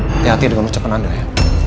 hati hati dengan ucapan anda ya